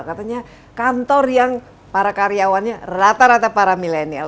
katanya kantor yang para karyawannya rata rata para milenial